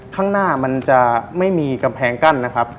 ข้างหน้ามันจะไม่มีกำแพงกั้นนะครับ